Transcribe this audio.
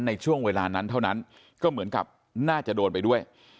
ในช่วงเวลานั้นเท่านั้นก็เหมือนกับน่าจะโดนไปด้วย